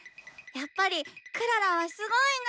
やっぱりクララはすごいな！